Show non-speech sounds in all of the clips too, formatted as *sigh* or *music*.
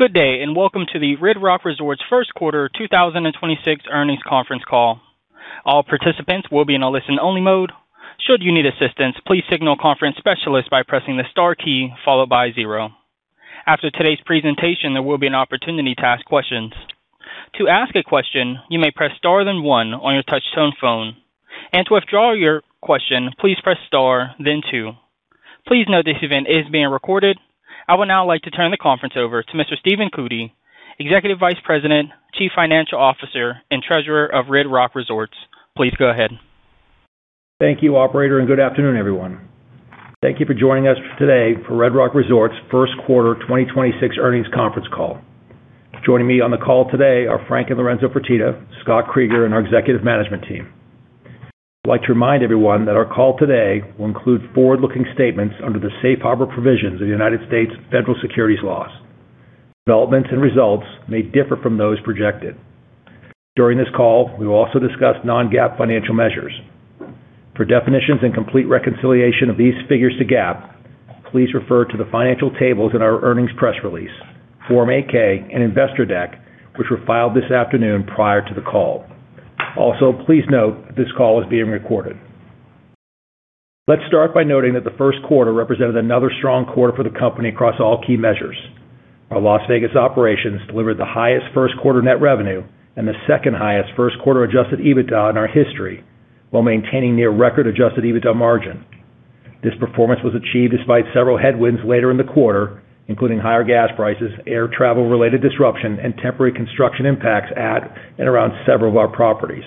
Good day, and welcome to the Red Rock Resorts first quarter 2026 earnings conference call. All participants will be in a listen-only mode. Should you need assistance, please signal conference specialist by pressing the star key, followed by zero. After today's presentation, there will be an opportunity to ask questions. To ask a question, you may press star then one on your touch tone phone, and to withdraw your question please press star then two. Please know this event is being recorded. I would now like to turn the conference over to Mr. Stephen Cootey, Executive Vice President, Chief Financial Officer, and Treasurer of Red Rock Resorts. Please go ahead. Thank you, operator. Good afternoon, everyone. Thank you for joining us today for Red Rock Resorts first quarter 2026 earnings conference call. Joining me on the call today are Frank and Lorenzo Fertitta, Scott Kreeger, and our executive management team. I'd like to remind everyone that our call today will include forward-looking statements under the Safe Harbor provisions of the U.S. federal securities laws. Developments and results may differ from those projected. During this call, we will also discuss non-GAAP financial measures. For definitions and complete reconciliation of these figures to GAAP, please refer to the financial tables in our earnings press release, Form 8-K, and investor deck, which were filed this afternoon prior to the call. Please note this call is being recorded. Let's start by noting that the first quarter represented another strong quarter for the company across all key measures. Our Las Vegas operations delivered the highest first quarter net revenue and the second highest first quarter adjusted EBITDA in our history while maintaining near record adjusted EBITDA margin. This performance was achieved despite several headwinds later in the quarter, including higher gas prices, air travel-related disruption, and temporary construction impacts at and around several of our properties,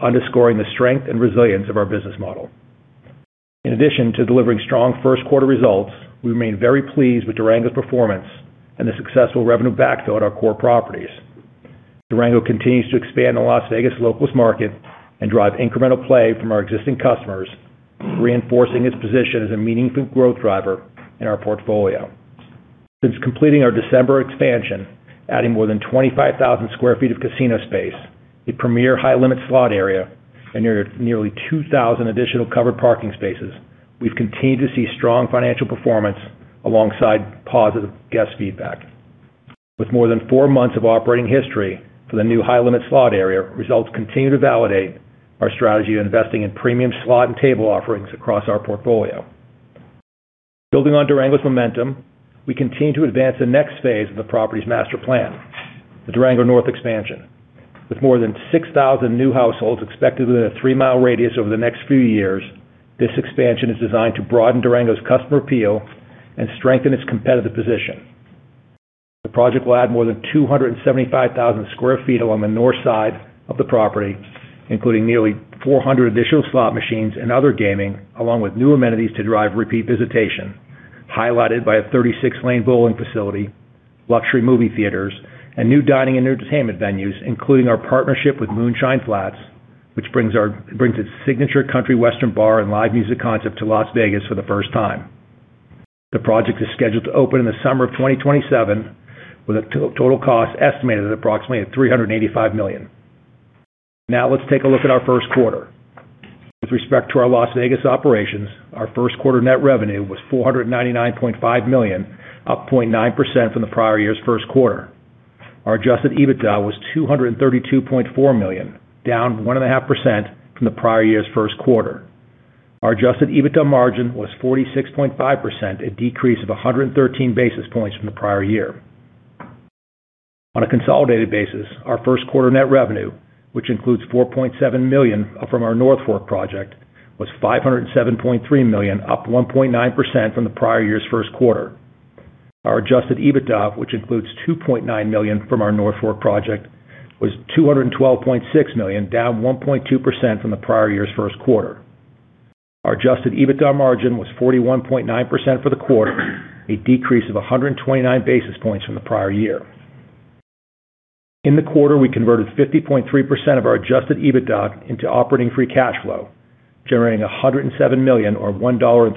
underscoring the strength and resilience of our business model. In addition to delivering strong first-quarter results, we remain very pleased with Durango's performance and the successful revenue backfill at our core properties. Durango continues to expand the Las Vegas locals market and drive incremental play from our existing customers, reinforcing its position as a meaningful growth driver in our portfolio. Since completing our December expansion, adding more than 25,000 sq ft of casino space, a premier high-limit slot area, and nearly 2,000 additional covered parking spaces, we've continued to see strong financial performance alongside positive guest feedback. With more than four months of operating history for the new high-limit slot area, results continue to validate our strategy of investing in premium slot and table offerings across our portfolio. Building on Durango's momentum, we continue to advance the next phase of the property's master plan, the Durango North expansion. With more than 6,000 new households expected within a three-mile radius over the next few years, this expansion is designed to broaden Durango's customer appeal and strengthen its competitive position. The project will add more than 275,000 sq ft along the north side of the property, including nearly 400 additional slot machines and other gaming, along with new amenities to drive repeat visitation, highlighted by a 36-lane bowling facility, luxury movie theaters, and new dining and entertainment venues, including our partnership with Moonshine Flats, which brings its signature country western bar and live music concept to Las Vegas for the first time. The project is scheduled to open in the summer of 2027, with a total cost estimated at approximately $385 million. Now, let's take a look at our first quarter. With respect to our Las Vegas operations, our first quarter net revenue was $499.5 million, up 0.9% from the prior year's first quarter. Our adjusted EBITDA was $232.4 million, down 1.5% from the prior year's first quarter. Our adjusted EBITDA margin was 46.5%, a decrease of 113 basis points from the prior year. On a consolidated basis, our first quarter net revenue, which includes $4.7 million from our North Fork project, was $507.3 million, up 1.9% from the prior year's first quarter. Our adjusted EBITDA, which includes $2.9 million from our North Fork project, was $212.6 million, down 1.2% from the prior year's first quarter. Our adjusted EBITDA margin was 41.9% for the quarter, a decrease of 129 basis points from the prior year. In the quarter, we converted 50.3% of our adjusted EBITDA into operating free cash flow, generating $107 million or $1.03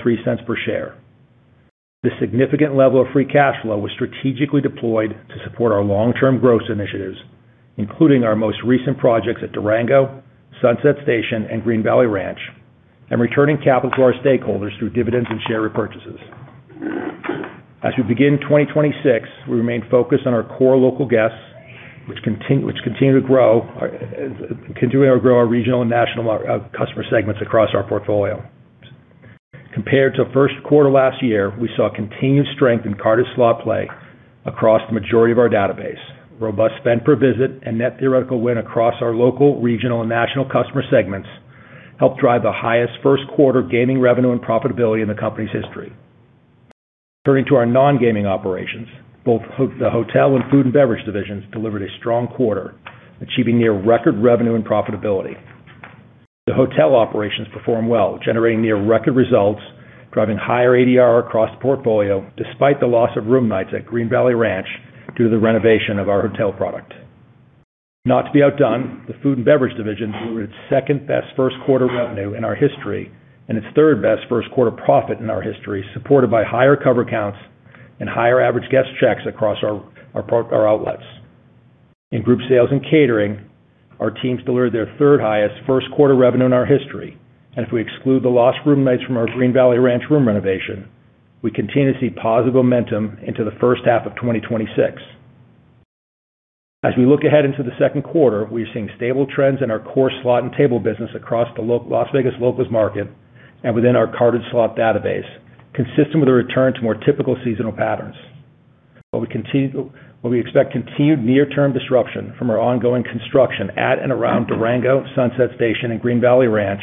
per share. This significant level of free cash flow was strategically deployed to support our long-term growth initiatives, including our most recent projects at Durango, Sunset Station, and Green Valley Ranch, and returning capital to our stakeholders through dividends and share repurchases. As we begin 2026, we remain focused on our core local guests, which continue to grow our continuing to grow our regional and national customer segments across our portfolio. Compared to first quarter last year, we saw continued strength in cardless slot play across the majority of our database. Robust spend per visit and Net Theoretical Win across our local, regional, and national customer segments helped drive the highest first-quarter gaming revenue and profitability in the company's history. Turning to our non-gaming operations, the hotel and food and beverage division delivered a strong quarter, achieving near-record revenue and profitability. The hotel operations performed well, generating near-record results, driving higher ADR across the portfolio despite the loss of room nights at Green Valley Ranch due to the renovation of our hotel product. Not to be outdone, the food and beverage division delivered its second-best first-quarter revenue in our history and its third-best first quarter profit in our history, supported by higher cover counts and higher average guest checks across our outlets. In Group Sales and Catering, our teams delivered their third-highest first quarter revenue in our history. If we exclude the lost room nights from our Green Valley Ranch room renovation, we continue to see positive momentum into the first half of 2026. As we look ahead into the second quarter, we are seeing stable trends in our core slot and table business across the Las Vegas locals market and within our carded slot database, consistent with a return to more typical seasonal patterns. While we expect continued near-term disruption from our ongoing construction at and around Durango, Sunset Station, and Green Valley Ranch,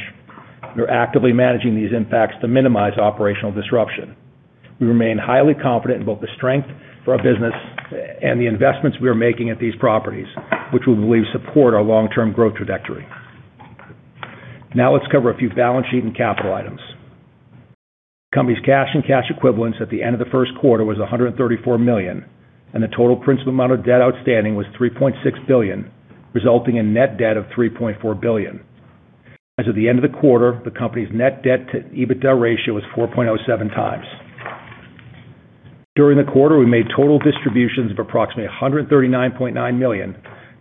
we are actively managing these impacts to minimize operational disruption. We remain highly confident in both the strength of our business and the investments we are making at these properties, which we believe support our long-term growth trajectory. Let's cover a few balance sheet and capital items. Company's cash and cash equivalents at the end of the first quarter was $134 million, and the total principal amount of debt outstanding was $3.6 billion, resulting in net debt of $3.4 billion. As of the end of the quarter, the company's net debt to EBITDA ratio was 4.07 times. During the quarter, we made total distributions of approximately $139.9 million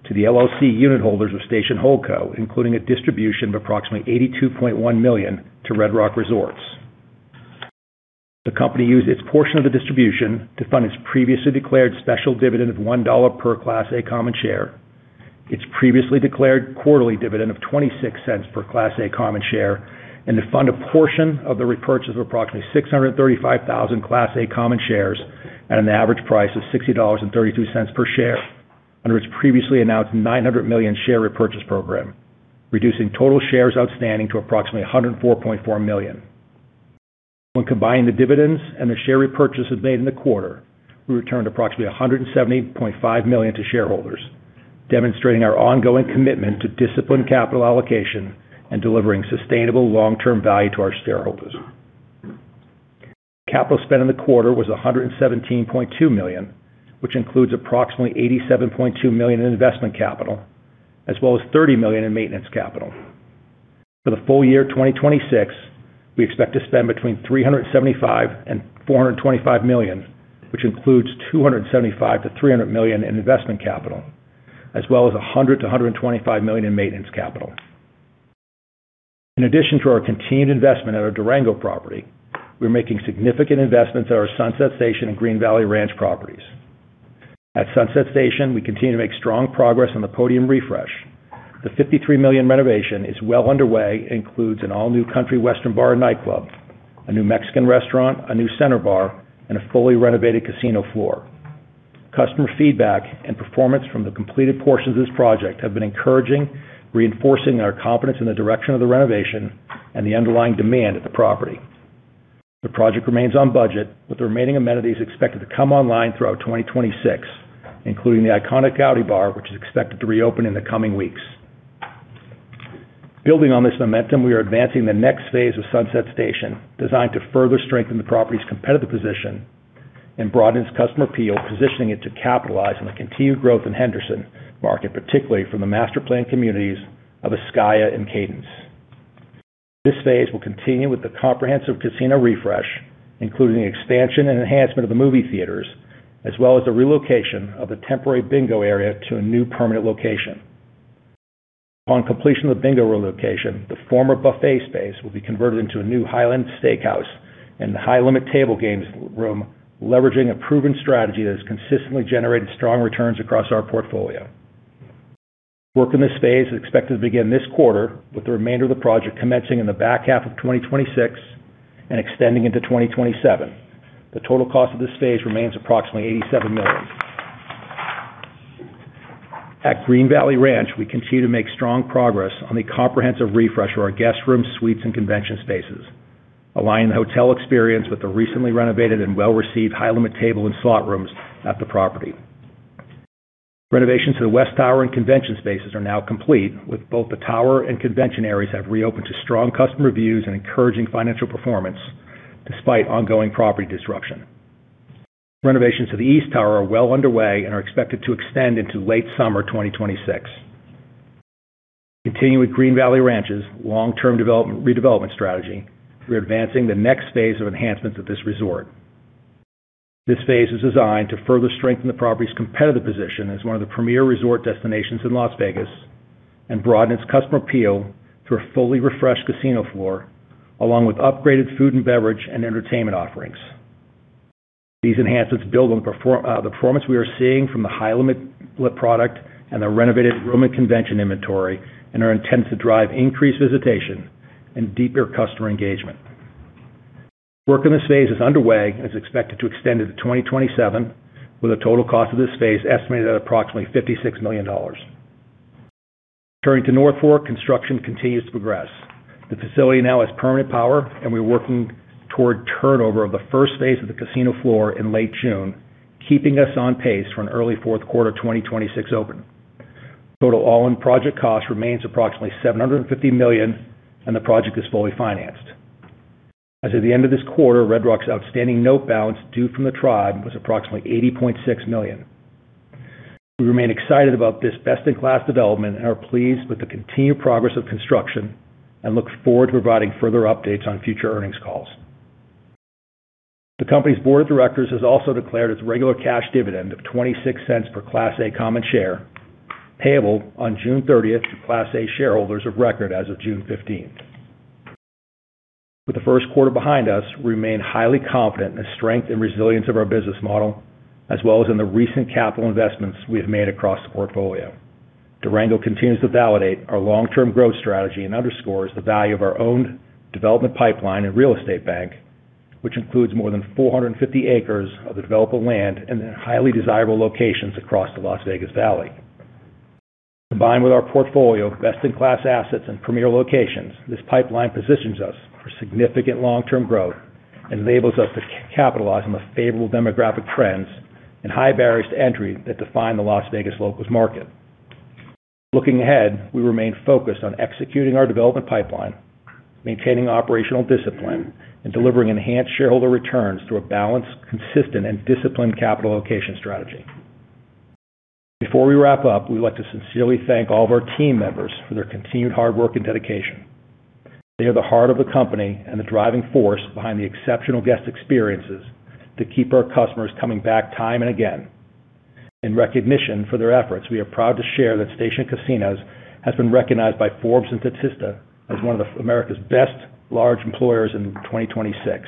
to the LLC unit holders of Station Holdco, including a distribution of approximately $82.1 million to Red Rock Resorts. The company used its portion of the distribution to fund its previously declared special dividend of $1 per Class A common share. Its previously declared quarterly dividend of $0.26 per Class A common share, and to fund a portion of the repurchase of approximately 635,000 Class A common shares at an average price of $60.32 per share under its previously announced $900 million share repurchase program, reducing total shares outstanding to approximately 104.4 million. When combining the dividends and the share repurchases made in the quarter, we returned approximately $170.5 million to shareholders, demonstrating our ongoing commitment to disciplined capital allocation and delivering sustainable long-term value to our shareholders. Capital spend in the quarter was $117.2 million, which includes approximately $87.2 million in investment capital as well as $30 million in maintenance capital. For the full year 2026, we expect to spend between $375 million and $425 million, which includes $275 million-$300 million in investment capital as well as $100 million-$125 million in maintenance capital. In addition to our continued investment at our Durango property, we're making significant investments at our Sunset Station and Green Valley Ranch properties. At Sunset Station, we continue to make strong progress on the podium refresh. The $53 million renovation is well underway and includes an all-new country western bar and nightclub, a new Mexican restaurant, a new center bar, and a fully renovated casino floor. Customer feedback and performance from the completed portions of this project have been encouraging, reinforcing our confidence in the direction of the renovation and the underlying demand at the property. The project remains on budget, with the remaining amenities expected to come online throughout 2026, including the iconic Gaudi Bar, which is expected to reopen in the coming weeks. Building on this momentum, we are advancing the next phase of Sunset Station, designed to further strengthen the property's competitive position and broaden its customer appeal, positioning it to capitalize on the continued growth in Henderson market, particularly from the master-planned communities of Ascaya and Cadence. This phase will continue with the comprehensive casino refresh, including expansion and enhancement of the movie theaters, as well as the relocation of the temporary bingo area to a new permanent location. Upon completion of the bingo relocation, the former buffet space will be converted into a new Highland Steakhouse and the high-limit table games room, leveraging a proven strategy that has consistently generated strong returns across our portfolio. Work in this phase is expected to begin this quarter, with the remainder of the project commencing in the back half of 2026 and extending into 2027. The total cost of this phase remains approximately $87 million. At Green Valley Ranch, we continue to make strong progress on the comprehensive refresh of our guest rooms, suites, and convention spaces, aligning the hotel experience with the recently renovated and well-received high-limit table and slot rooms at the property. Renovations to the west tower and convention spaces are now complete, with both the tower and convention areas have reopened to strong customer reviews and encouraging financial performance despite ongoing property disruption. Renovations to the east tower are well underway and are expected to extend into late summer 2026. Continuing with Green Valley Ranch's long-term redevelopment strategy, we're advancing the next phase of enhancements at this resort. This phase is designed to further strengthen the property's competitive position as one of the premier resort destinations in Las Vegas and broaden its customer appeal through a fully refreshed casino floor, along with upgraded food and beverage and entertainment offerings. These enhancements build on the performance we are seeing from the high-limit product and the renovated room and convention inventory and are intended to drive increased visitation and deeper customer engagement. Work in this phase is underway and is expected to extend into 2027, with the total cost of this phase estimated at approximately $56 million. Turning to North Fork, construction continues to progress. The facility now has permanent power, and we're working toward turnover of the first phase of the casino floor in late June, keeping us on pace for an early fourth quarter 2026 open. Total all-in project cost remains approximately $750 million. The project is fully financed. As of the end of this quarter, Red Rock's outstanding note balance due from the tribe was approximately $80.6 million. We remain excited about this best-in-class development and are pleased with the continued progress of construction and look forward to providing further updates on future earnings calls. The company's board of directors has also declared its regular cash dividend of $0.26 per Class A common share, payable on June 30th to Class A shareholders of record as of June 15th. With the first quarter behind us, we remain highly confident in the strength and resilience of our business model, as well as in the recent capital investments we have made across the portfolio. Durango continues to validate our long-term growth strategy and underscores the value of our owned development pipeline and real estate bank, which includes more than 450 acres of the developable land in the highly desirable locations across the Las Vegas Valley. Combined with our portfolio of best-in-class assets and premier locations, this pipeline positions us for significant long-term growth and enables us to capitalize on the favorable demographic trends and high barriers to entry that define the Las Vegas locals market. Looking ahead, we remain focused on executing our development pipeline, maintaining operational discipline, and delivering enhanced shareholder returns through a balanced, consistent, and disciplined capital allocation strategy. Before we wrap up, we would like to sincerely thank all of our team members for their continued hard work and dedication. They are the heart of the company and the driving force behind the exceptional guest experiences that keep our customers coming back time and again. In recognition for their efforts, we are proud to share that Station Casinos has been recognized by Forbes and Statista as one of the America's best large employers in 2026.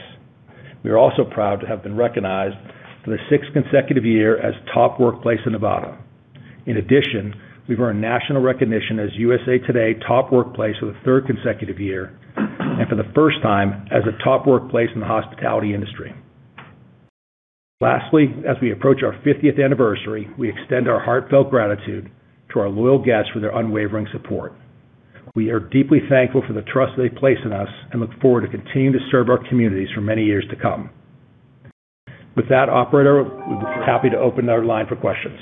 We are also proud to have been recognized for the sixth consecutive year as Top Workplace in Nevada. In addition, we've earned national recognition as USA Today Top Workplace for the third consecutive year and for the first time as a Top Workplace in the hospitality industry. Lastly, as we approach our 50th anniversary, we extend our heartfelt gratitude to our loyal guests for their unwavering support. We are deeply thankful for the trust they place in us and look forward to continuing to serve our communities for many years to come. With that, operator, we'd be happy to open our line for questions.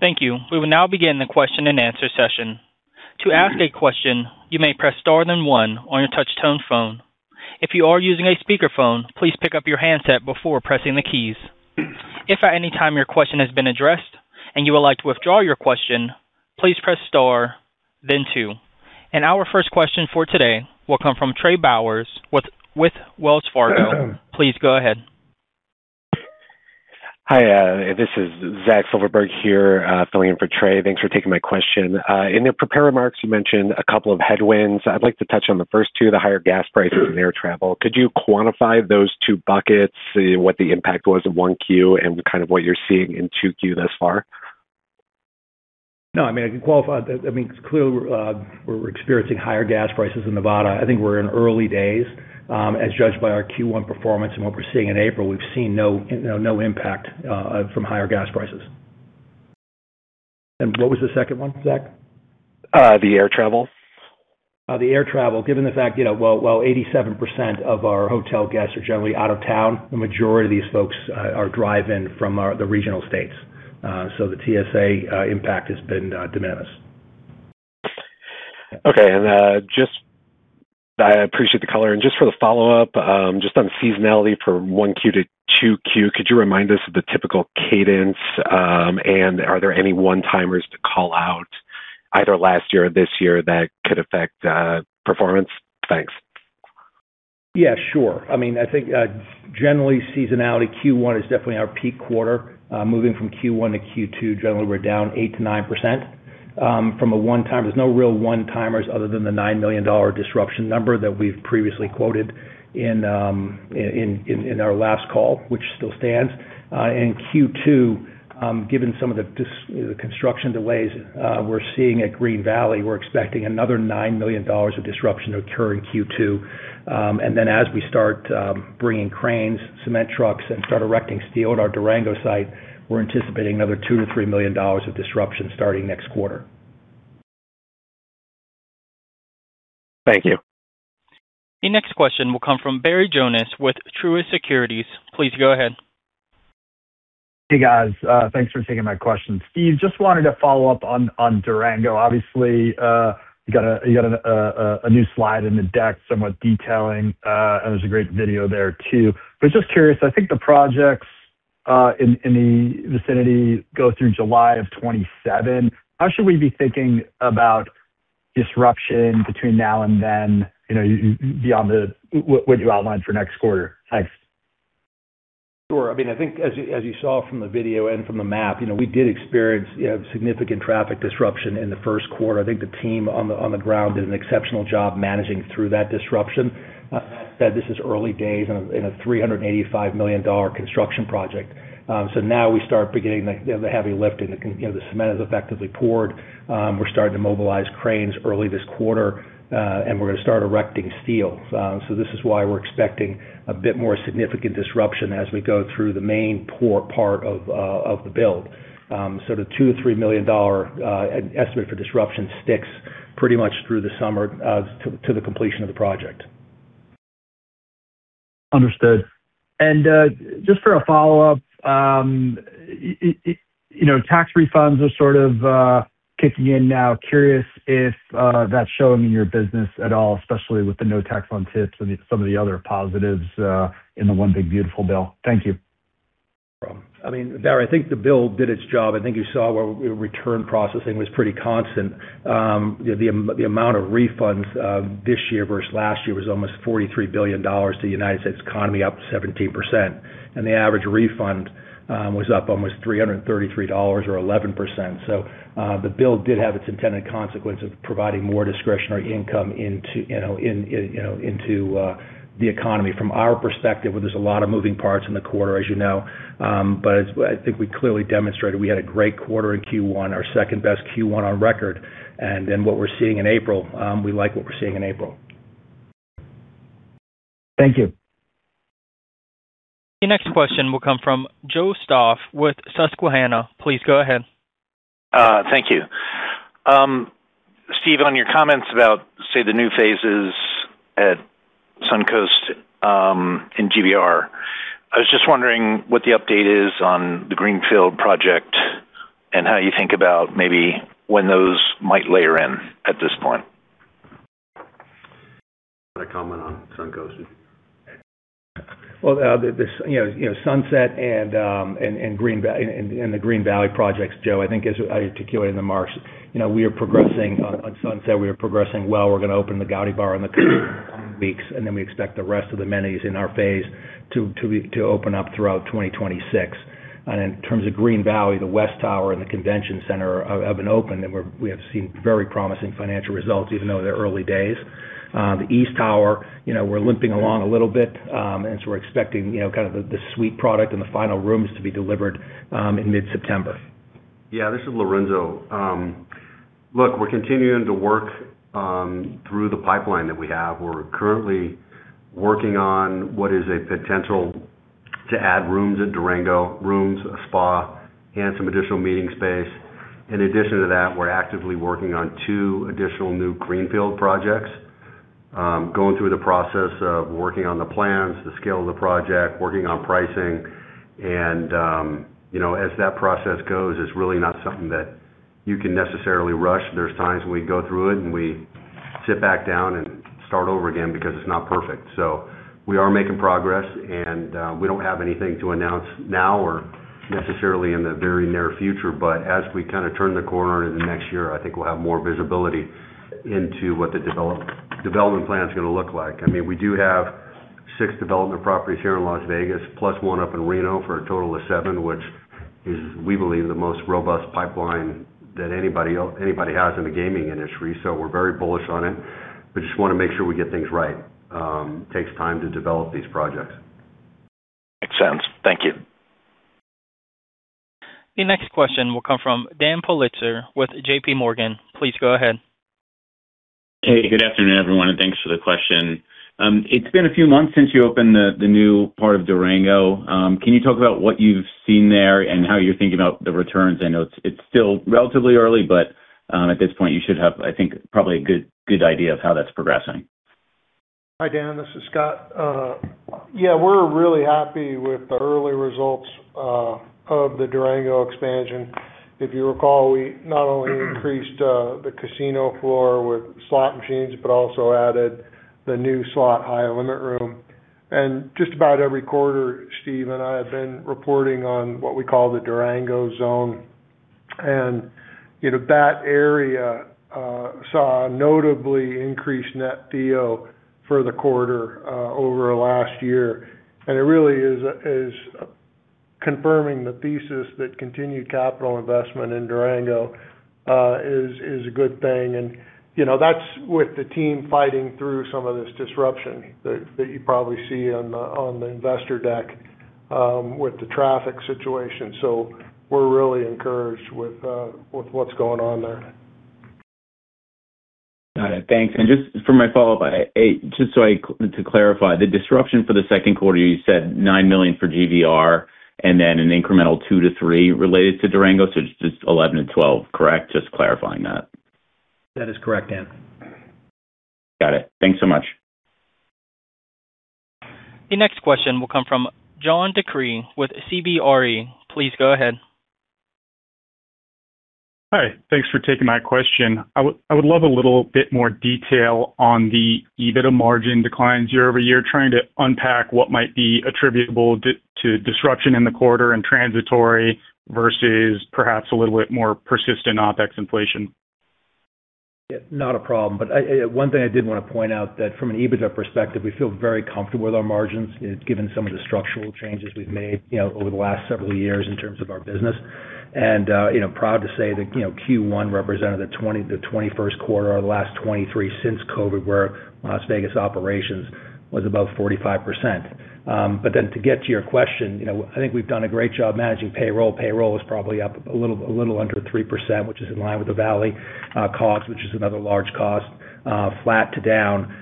Thank you. We will now begin the question-and-answer session. To ask a question, you may press star then one on your touch tone phone. If you are using a speakerphone, please pick up your handset before pressing the keys. If at any time your question has been addressed and you would like to withdraw your question, please press star then two. Our first question for today will come from Trey Bowers with Wells Fargo. Please go ahead. Hi, this is Zachary Silverberg here, filling in for Trey. Thanks for taking my question. In the prepared remarks, you mentioned a couple of headwinds. I'd like to touch on the first two, the higher gas prices and air travel. Could you quantify those two buckets, what the impact was in 1Q and kind of what you're seeing in 2Q thus far? No, I mean, I can qualify. I mean, clearly, we're experiencing higher gas prices in Nevada. I think we're in early days, as judged by our Q1 performance and what we're seeing in April. We've seen no impact from higher gas prices. What was the second one, Zach? The air travel. The air travel. Given the fact, you know, while 87% of our hotel guests are generally out of town, the majority of these folks are driving from the regional states. The TSA impact has been de minimis. Okay. I appreciate the color. Just for the follow-up, just on seasonality for 1Q to 2Q, could you remind us of the typical cadence? Are there any one-timers to call out either last year or this year that could affect performance? Thanks. Yeah, sure. I mean, I think, generally seasonality, Q1 is definitely our peak quarter. Moving from Q1 to Q2, generally we're down 8%-9%. There's no real one-timers other than the $9 million disruption number that we've previously quoted in our last call, which still stands. In Q2, given some of the construction delays we're seeing at Green Valley, we're expecting another $9 million of disruption to occur in Q2. As we start bringing cranes, cement trucks, and start erecting steel at our Durango site, we're anticipating another $2 million-$3 million of disruption starting next quarter. Thank you. The next question will come from Barry Jonas with Truist Securities. Please go ahead. Hey, guys. Thanks for taking my question. Steve, just wanted to follow up on Durango. Obviously, you got a new slide in the deck, somewhat detailing, and there's a great video there too. Just curious, I think the projects in the vicinity go through July of 2027. How should we be thinking about disruption between now and then, you know, beyond what you outlined for next quarter? Thanks. Sure. I mean, I think as you, as you saw from the video and from the map, you know, we did experience, you know, significant traffic disruption in the first quarter. I think the team on the ground did an exceptional job managing through that disruption. This is early days in a $385 million construction project. Now we start beginning the heavy lifting. You know, the cement is effectively poured. We're starting to mobilize cranes early this quarter, and we're gonna start erecting steel. This is why we're expecting a bit more significant disruption as we go through the main poor part of the build. The $2 million-$3 million estimate for disruption sticks pretty much through the summer to the completion of the project. Understood. Just for a follow-up, you know, tax refunds are sort of kicking in now. Curious if that's showing in your business at all, especially with the no tax on tips and some of the other positives in the one big beautiful bill. Thank you. I mean, Barry, I think the bill did its job. I think you saw where return processing was pretty constant. The amount of refunds this year versus last year was almost $43 billion to the U.S. economy, up 17%. The average refund was up almost $333 or 11%. The bill did have its intended consequence of providing more discretionary income into the economy. From our perspective, there's a lot of moving parts in the quarter, as you know. I think we clearly demonstrated we had a great quarter in Q1, our second-best Q1 on record. What we're seeing in April, we like what we're seeing in April. Thank you. Your next question will come from Joe Stauff with Susquehanna. Please go ahead. Thank you. Steve, on your comments about, say, the new phases at Suncoast and GVR, I was just wondering what the update is on the Greenfield project and how you think about maybe when those might layer in at this point? I comment on Suncoast. The, you know, Sunset and Green Valley projects, Joe, I think as I articulated in the March, you know, we are progressing. On Sunset, we are progressing well. We're gonna open the Gaudi Bar in the coming weeks, then we expect the rest of the amenities in our phase to open up throughout 2026. In terms of Green Valley, the West Tower and the Convention Center have been open, and we have seen very promising financial results, even though they're early days. The East Tower, you know, we're limping along a little bit, we're expecting, you know, kind of the suite product and the final rooms to be delivered in mid-September. Yeah, this is Lorenzo. Look, we're continuing to work through the pipeline that we have. We're currently working on what is a potential to add rooms at Durango, rooms, a spa, and some additional meeting space. In addition to that, we're actively working on 2 additional new greenfield projects. Going through the process of working on the plans, the scale of the project, working on pricing. You know, as that process goes, it's really not something that you can necessarily rush. There's times when we go through it, and we sit back down and start over again because it's not perfect. We are making progress, and we don't have anything to announce now or necessarily in the very near future. As we kind of turn the corner into next year, I think we'll have more visibility into what the development plan is gonna look like. I mean, we do have six development properties here in Las Vegas, plus one up in Reno for a total of seven, which is, we believe, the most robust pipeline that anybody has in the gaming industry. We're very bullish on it. We just wanna make sure we get things right. Takes time to develop these projects. Makes sense. Thank you. Your next question will come from Dan Politzer with JPMorgan. Please go ahead. Hey, good afternoon, everyone, and thanks for the question. It's been a few months since you opened the new part of Durango. Can you talk about what you've seen there and how you're thinking about the returns? I know it's still relatively early, but at this point, you should have, I think, probably a good idea of how that's progressing. Hi, Dan. This is Scott. We're really happy with the early results of the Durango expansion. If you recall, we not only increased the casino floor with slot machines, but also added the new slot high limit room. Just about every quarter, Steve and I have been reporting on what we call the Durango Zone. You know, that area saw a notably increased Net Theo for the quarter over last year. It really is confirming the thesis that continued capital investment in Durango is a good thing. You know, that's with the team fighting through some of this disruption that you probably see on the investor deck with the traffic situation. We're really encouraged with what's going on there. Got it. Thanks. Just for my follow-up, just so to clarify, the disruption for the second quarter, you said $9 million for GVR and then an incremental $2 million-$3 million related to Durango, so it's just $11 million and $12 million, correct? Just clarifying that. That is correct, Dan. Got it. Thanks so much. The next question will come from John DeCree with CBRE. Please go ahead. Hi. Thanks for taking my question. I would love a little bit more detail on the EBITDA margin decline year-over-year, trying to unpack what might be attributable to disruption in the quarter and transitory versus perhaps a little bit more persistent OpEx inflation. Yeah, not a problem. I, one thing I did want to point out that from an EBITDA perspective, we feel very comfortable with our margins, given some of the structural changes we've made, you know, over the last several years in terms of our business. You know, proud to say that, you know, Q1 represented the 21st quarter of the last 23 since COVID, where Las Vegas operations was above 45%. To get to your question, you know, I think we've done a great job managing payroll. Payroll is probably up a little under 3%, which is in line with the Valley, cost, which is another large cost, flat to down.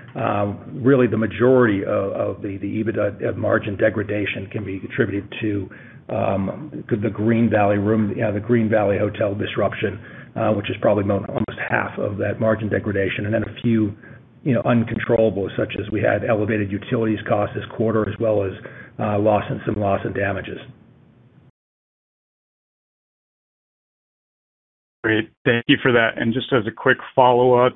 Really the majority of the EBITDA margin degradation can be attributed to the Green Valley Hotel disruption, which is probably almost half of that margin degradation. Then a few, you know, uncontrollable, such as we had elevated utilities costs this quarter, as well as loss and damages. Great. Thank you for that. Just as a quick follow-up,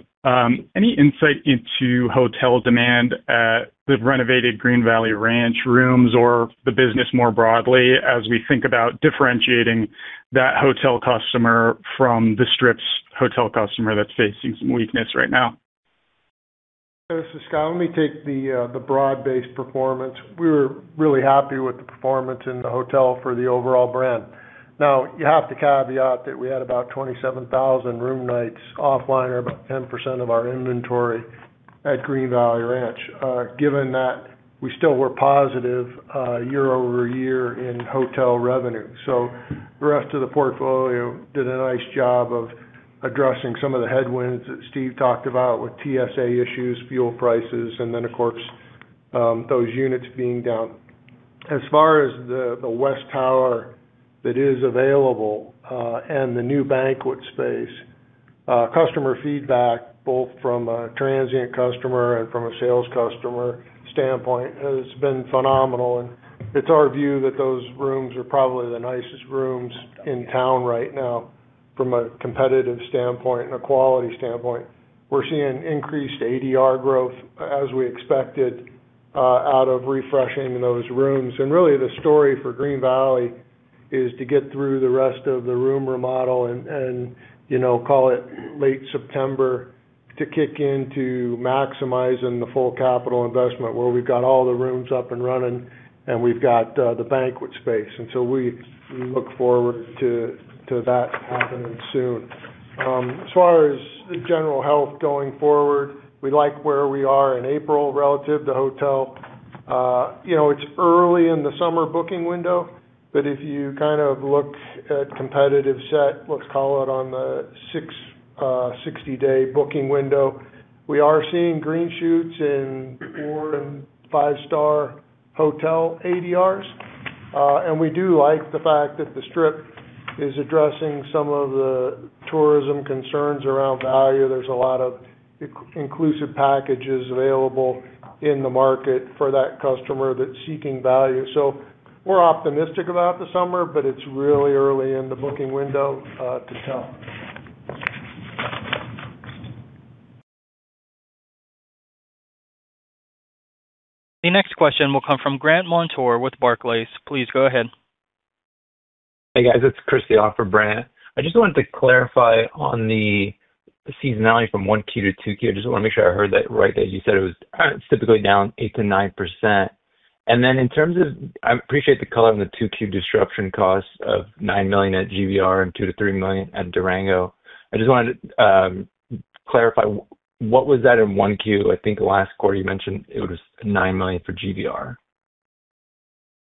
any insight into hotel demand at the renovated Green Valley Ranch rooms or the business more broadly as we think about differentiating that hotel customer from the Strip's hotel customer that's facing some weakness right now? This is Scott. Let me take the broad-based performance. We were really happy with the performance in the hotel for the overall brand. Now, you have to caveat that we had about 27,000 room nights offline or about 10% of our inventory at Green Valley Ranch. Given that we still were positive year-over-year in hotel revenue. The rest of the portfolio did a nice job of addressing some of the headwinds that Steve talked about with TSA issues, fuel prices, and then of course, those units being down. As far as the West Tower that is available, and the new banquet space, customer feedback, both from a transient customer and from a sales customer standpoint, has been phenomenal. It's our view that those rooms are probably the nicest rooms in town right now from a competitive standpoint and a quality standpoint. We're seeing increased ADR growth as we expected out of refreshing those rooms. Really, the story for Green Valley Ranch is to get through the rest of the room remodel and, you know, call it late September to kick in to maximizing the full capital investment, where we've got all the rooms up and running and we've got the banquet space. We look forward to that happening soon. As far as the general health going forward, we like where we are in April relative to hotel. You know, it's early in the summer booking window, if you kind of look at competitive set, let's call it on the 6, 60-day booking window, we are seeing green shoots in four and five-star hotel ADRs. We do like the fact that the Strip is addressing some of the tourism concerns around value. There's a lot of inclusive packages available in the market for that customer that's seeking value. We're optimistic about the summer, it's really early in the booking window to tell. The next question will come from Brandt Montour with Barclays. Please go ahead. Hey, guys. It's Chris off for Brandt. I just wanted to clarify on the seasonality from 1Q to 2Q. I just wanna make sure I heard that right. As you said, it was typically down 8%-9%. Then I appreciate the color on the 2Q disruption costs of $9 million at GVR and $2 million-$3 million at Durango. I just wanted, clarify, what was that in 1Q? I think last quarter you mentioned it was $9 million for GVR.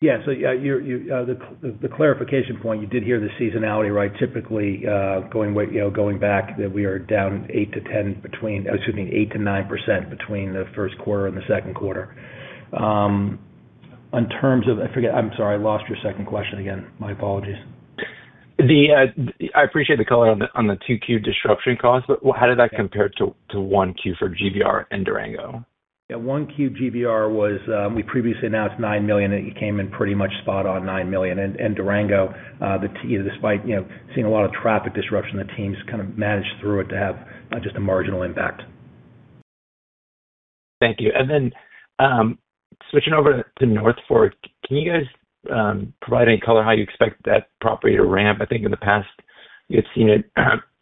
The clarification point, you did hear the seasonality right. Typically, going way, you know, going back that we are down eight to ten. Excuse me, 8%-9% between the first quarter and the second quarter. I forget. I'm sorry, I lost your second question again. My apologies. I appreciate the color on the, on the 2Q disruption costs. How did that compare to 1Q for GVR and Durango? 1Q GVR was, we previously announced $9 million, and it came in pretty much spot on $9 million. Durango, despite, you know, seeing a lot of traffic disruption, the teams kind of managed through it to have just a marginal impact. Thank you. Switching over to North Fork. Can you guys provide any color how you expect that property to ramp? I think in the past you had seen it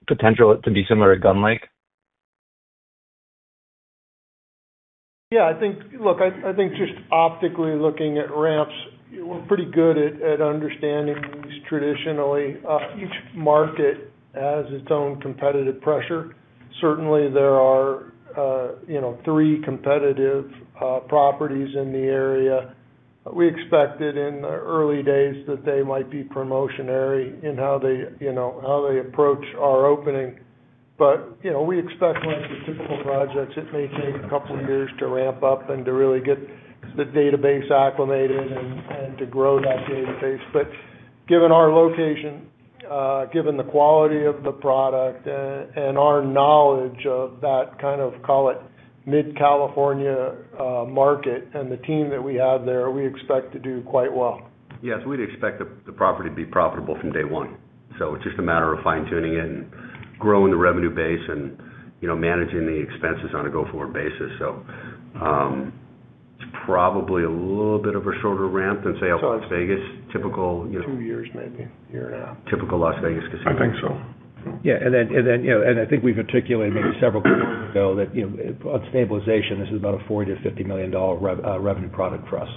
potential it to be similar to Gun Lake. Yeah, look, I think just optically looking at ramps, we're pretty good at understanding these traditionally. Each market has its own competitive pressure. Certainly, there are, you know, three competitive properties in the area. We expected in the early days that they might be promotionary in how they, you know, how they approach our opening. You know, we expect like the typical projects, it may take two years to ramp up and to really get the database acclimated and to grow that database. Given our location, given the quality of the product, and our knowledge of that kind of, call it, mid-California market and the team that we have there, we expect to do quite well. Yeah. We'd expect the property to be profitable from day one. It's just a matter of fine-tuning it and growing the revenue base and, you know, managing the expenses on a go-forward basis. It's probably a little bit of a shorter ramp than, say, Las Vegas typical-. Two years, maybe year and a half. Typical Las Vegas casino. I think so. Yeah. Then, you know, I think we've articulated maybe several quarters ago that, you know, on stabilization, this is about a $40 million-$50 million revenue product for us.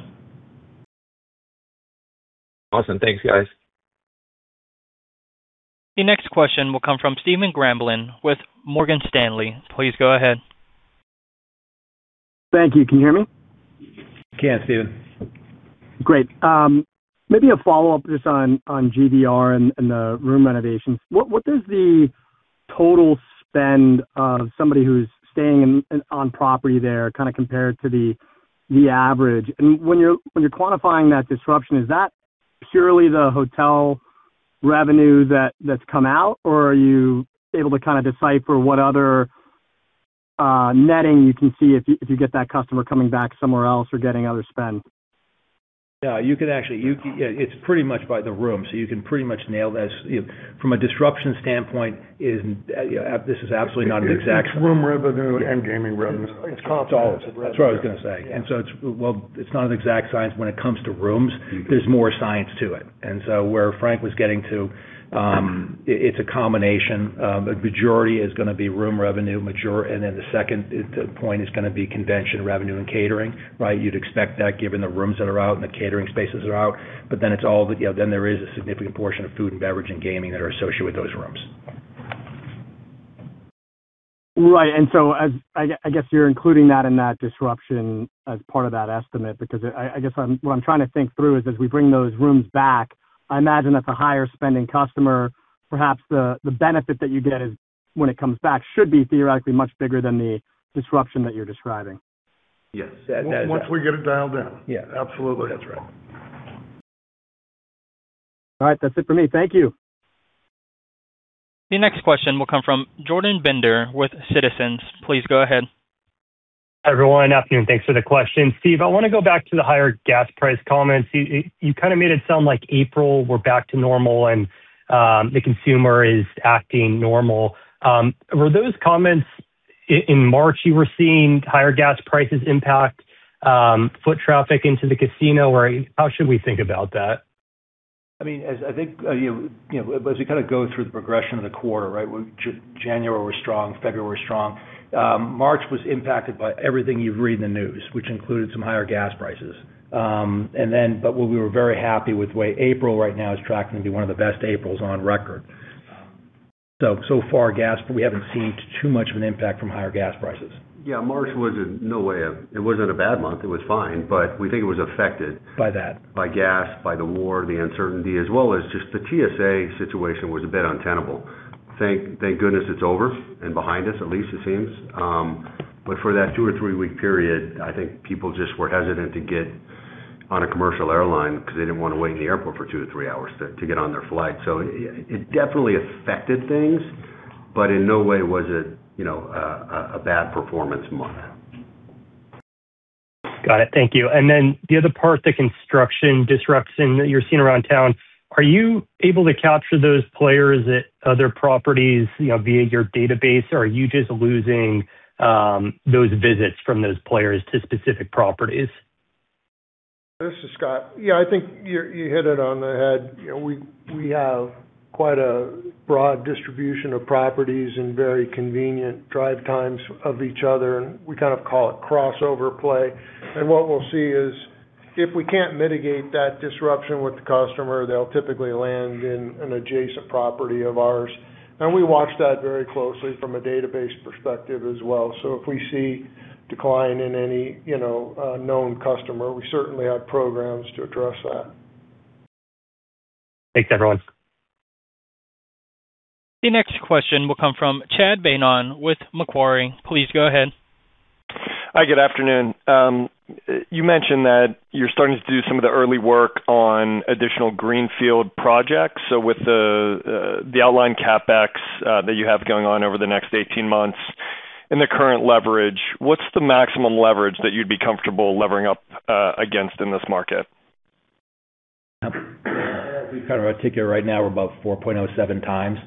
Awesome. Thanks, guys. The next question will come from Stephen Grambling with Morgan Stanley. Please go ahead. Thank you. Can you hear me? We can, Stephen. Great. Maybe a follow-up just on GVR and the room renovations. What does the total spend of somebody who's staying on property there kinda compare to the average? And when you're quantifying that disruption, is that purely the hotel revenue that's come out, or are you able to kinda decipher what other netting you can see if you, if you get that customer coming back somewhere else or getting other spend? Yeah, you can actually, yeah, it's pretty much by the room. You can pretty much nail this. You know, from a disruption standpoint is, yeah, this is absolutely not an exact science. It's room revenue and gaming revenue. It's composite revenue. That's all. That's what I was gonna say. Yeah. It's, well, it's not an exact science when it comes to rooms. There's more science to it. Where Frank was getting to, it's a combination. A majority is gonna be room revenue, and then the second point is gonna be convention revenue and catering, right? You'd expect that given the rooms that are out and the catering spaces that are out. It's all the, you know, then there is a significant portion of food and beverage and gaming that are associated with those rooms. Right. I guess you're including that in that disruption as part of that estimate because I guess what I'm trying to think through is as we bring those rooms back, I imagine that the higher spending customer, perhaps the benefit that you get is when it comes back should be theoretically much bigger than the disruption that you're describing. Yes. That is. Once we get it dialed in. Yeah. Absolutely. That's right. All right. That's it for me. Thank you. The next question will come from Jordan Bender with Citizens. Please go ahead. Hi, everyone. Afternoon. Thanks for the question. Steve, I wanna go back to the higher gas price comments. You kind of made it sound like April we're back to normal and the consumer is acting normal. Were those comments in March, you were seeing higher gas prices impact foot traffic into the casino? Or how should we think about that? I mean, as I think, you know, as we kind of go through the progression of the quarter, right? January was strong, February was strong. March was impacted by everything you read in the news, which included some higher gas prices. We were very happy with the way April right now is tracking to be 1 of the best Aprils on record. So far gas, we haven't seen too much of an impact from higher gas prices. Yeah, March was in no way. It wasn't a bad month, it was fine. We think it was affected. By that.... by gas, by the war, the uncertainty, as well as just the TSA situation was a bit untenable. Thank goodness it's over and behind us, at least it seems. For that two or three-week period, I think people just were hesitant to get on a commercial airline because they didn't want to wait in the airport for two to three hours to get on their flight. It definitely affected things, but in no way was it, you know, a bad performance month. Got it. Thank you. The other part, the construction disruption that you're seeing around town, are you able to capture those players at other properties, you know, via your database, or are you just losing those visits from those players to specific properties? This is Scott. Yeah, I think you hit it on the head. You know, we have quite a broad distribution of properties and very convenient drive times of each other, and we kind of call it crossover play. What we'll see is if we can't mitigate that disruption with the customer, they'll typically land in an adjacent property of ours. We watch that very closely from a database perspective as well. If we see decline in any, you know, known customer, we certainly have programs to address that. Thanks, everyone. The next question will come from Chad Beynon with Macquarie. Please go ahead. Hi, good afternoon. You mentioned that you're starting to do some of the early work on additional greenfield projects. With the outlined CapEx that you have going on over the next 18 months and the current leverage, what's the maximum leverage that you'd be comfortable levering up against in this market? As we kind of articulate right now, we're about 4.07 times.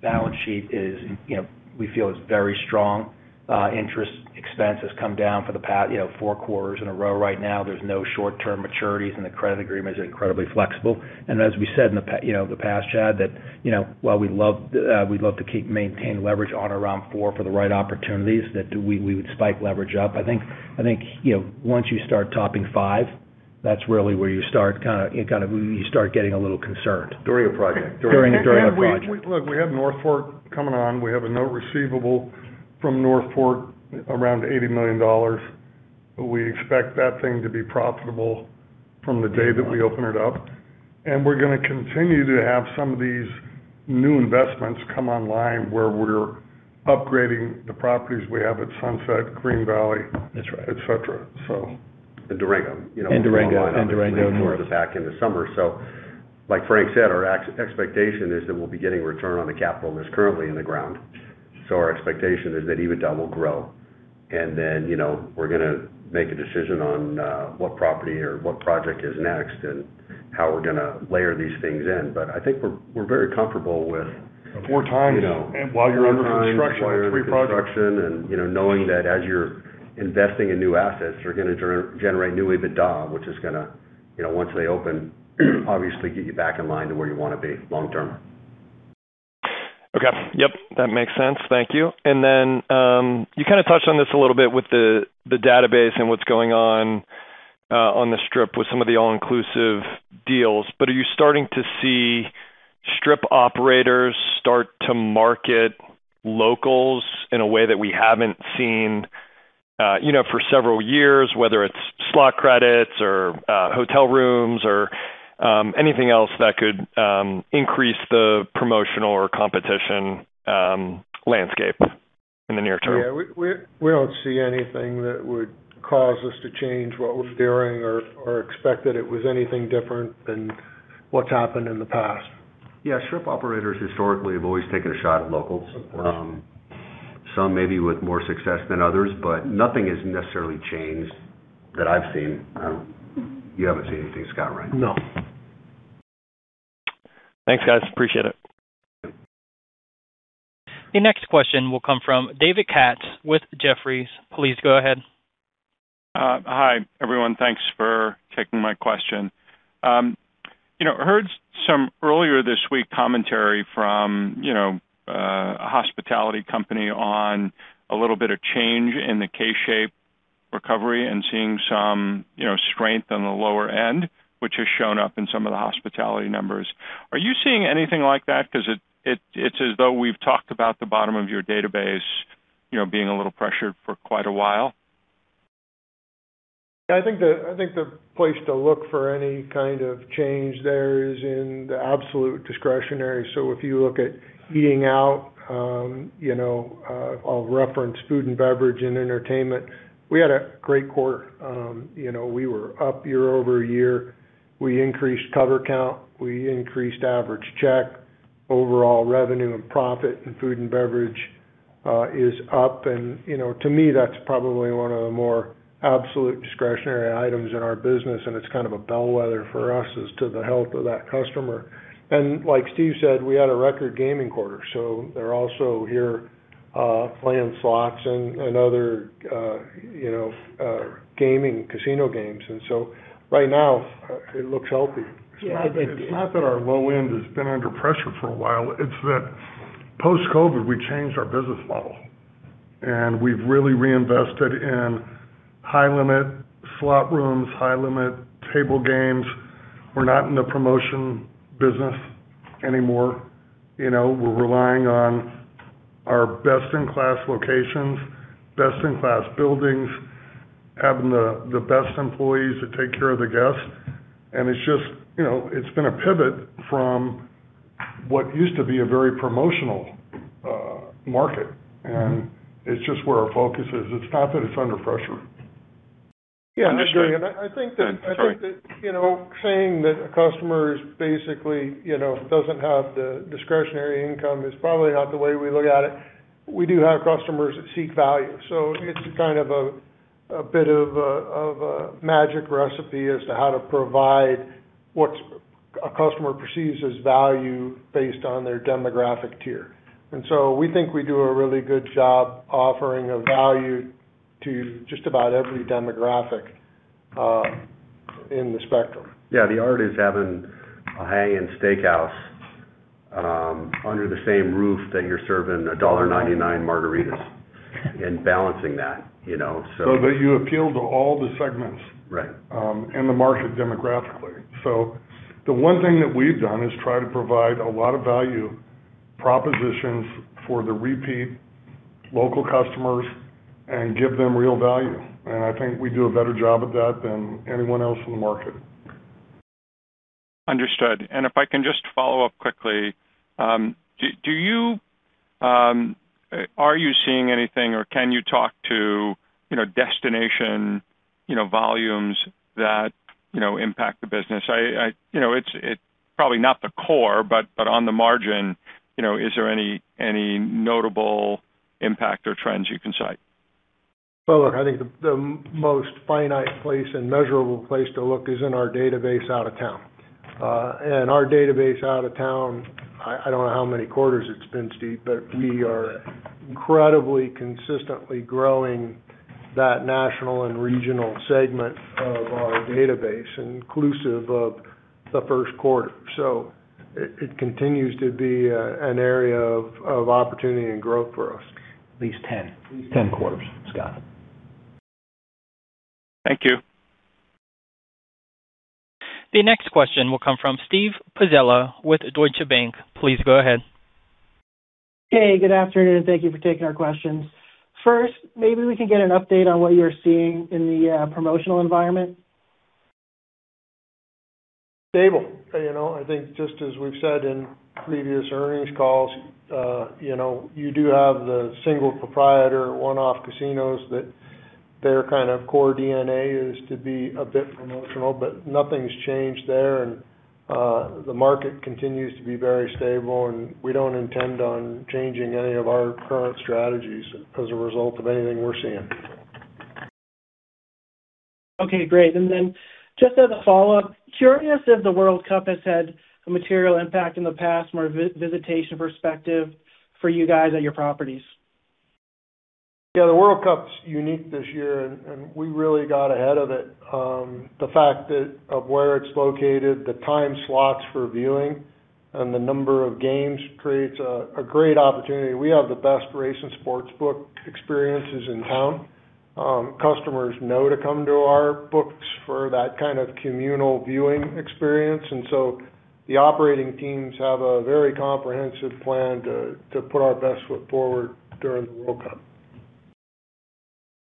Balance sheet is, you know, we feel is very strong. Interest expense has come down for the past, you know, four quarters in a row right now. There's no short-term maturities, the credit agreement is incredibly flexible. As we said in the past, you know, the past, Chad, that, you know, while we'd love, we'd love to keep maintaining leverage on around four for the right opportunities that we would spike leverage up. I think, you know, once you start topping five, that's really where you start kinda, you start getting a little concerned. During a project. *crosstalk* During a project. We have North Fork coming on. We have a note receivable from North Fork around $80 million. We expect that thing to be profitable from the day that we open it up. We're gonna continue to have some of these new investments come online where we're upgrading the properties we have at Sunset, Green Valley. That's right. et cetera. Durango. Durango. Durango. Coming online obviously towards the back end of summer. Like Frank said, our expectation is that we'll be getting return on the capital that's currently in the ground. Our expectation is that EBITDA will grow. You know, we're gonna make a decision on what property or what project is next and how we're gonna layer these things in. I think we're very comfortable with. Four times.... you know, *crosstalk* while you're in construction and, you know, knowing that as you're investing in new assets, you're gonna generate new EBITDA, which is gonna, you know, once they open, obviously get you back in line to where you wanna be long term. Okay. Yep, that makes sense. Thank you. You kinda touched on this a little bit with the database and what's going on the Strip with some of the all-inclusive deals. Are you starting to see Strip operators start to market locals in a way that we haven't seen, you know, for several years, whether it's slot credits or, hotel rooms or, anything else that could increase the promotional or competition, landscape in the near term? Yeah. We don't see anything that would cause us to change what we're doing or expect that it was anything different than what's happened in the past. Strip operators historically have always taken a shot at locals. Of course. Some maybe with more success than others, nothing has necessarily changed that I've seen. You haven't seen anything, Scott, right? No. Thanks, guys. Appreciate it. The next question will come from David Katz with Jefferies. Please go ahead. Hi, everyone. Thanks for taking my question. You know, heard some earlier this week commentary from, you know, a hospitality company on a little bit of change in the K-shaped recovery and seeing some, you know, strength on the lower end, which has shown up in some of the hospitality numbers. Are you seeing anything like that? Because it, it's as though we've talked about the bottom of your database, you know, being a little pressured for quite a while. I think the, I think the place to look for any kind of change there is in the absolute discretionary. If you look at eating out, you know, I'll reference food and beverage and entertainment. We had a great quarter. You know, we were up year-over-year. We increased cover count, we increased average check. Overall revenue and profit in food and beverage is up and, you know, to me, that's probably one of the more absolute discretionary items in our business, and it's kind of a bellwether for us as to the health of that customer. Like Stephen said, we had a record gaming quarter, so they're also here playing slots and other, you know, gaming, casino games. Right now, it looks healthy. Yeah, it's not that our low end has been under pressure for a while. It's that post-COVID, we changed our business model and we've really reinvested in high-limit slot rooms, high-limit table games. We're not in the promotion business anymore. You know, we're relying on our best-in-class locations, best-in-class buildings, having the best employees to take care of the guests. It's just, you know, it's been a pivot from what used to be a very promotional market. It's just where our focus is. It's not that it's under pressure. Yeah. Understood. I think that, you know, saying that a customer is basically, you know, doesn't have the discretionary income is probably not the way we look at it. We do have customers that seek value. It's kind of a bit of a magic recipe as to how to provide what a customer perceives as value based on their demographic tier. We think we do a really good job offering a value to just about every demographic in the spectrum. Yeah. The art is having a high-end steakhouse under the same roof that you're serving a $1.99 margaritas and balancing that, you know. That you appeal to all the segments, right, in the market demographically. The one thing that we've done is try to provide a lot of value propositions for the repeat local customers and give them real value. I think we do a better job at that than anyone else in the market. Understood. If I can just follow up quickly. Do you are you seeing anything or can you talk to, you know, destination, you know, volumes that, you know, impact the business? I, you know, it's probably not the core, but on the margin, you know, is there any notable impact or trends you can cite? Well, look, I think the most finite place and measurable place to look is in our database out of town. Our database out of town, I don't know how many quarters it's been, Steve, but we are incredibly consistently growing that national and regional segment of our database, inclusive of the first quarter. It continues to be an area of opportunity and growth for us. At least 10. 10 quarters, Scott. Thank you. The next question will come from Steve Pizzella with Deutsche Bank. Please go ahead. Hey, good afternoon, and thank you for taking our questions. First, maybe we can get an update on what you're seeing in the promotional environment. Stable. You know, I think just as we've said in previous earnings calls, you know, you do have the single proprietor, one-off casinos that their kind of core DNA is to be a bit promotional, but nothing's changed there. The market continues to be very stable, and we don't intend on changing any of our current strategies as a result of anything we're seeing. Okay, great. Just as a follow-up, curious if the World Cup has had a material impact in the past from a visitation perspective for you guys at your properties? The World Cup's unique this year, and we really got ahead of it. The fact that of where it's located, the time slots for viewing and the number of games creates a great opportunity. We have the best race and sportsbook experiences in town. Customers know to come to our books for that kind of communal viewing experience. The operating teams have a very comprehensive plan to put our best foot forward during the World Cup.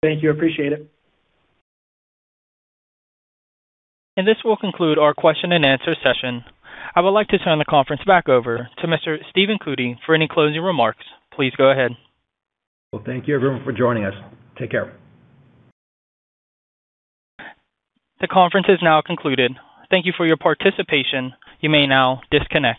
Thank you. Appreciate it. This will conclude our question and answer session. I would like to turn the conference back over to Mr. Stephen Cootey for any closing remarks. Please go ahead. Well, thank you everyone for joining us. Take care. The conference is now concluded. Thank you for your participation. You may now disconnect.